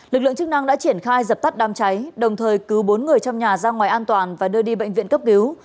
lực lượng chức năng đã triển khai dập tắt đám cháy đồng thời cứu bốn người trong nhà ra ngoài an toàn và đưa đi bệnh viện cấp cứu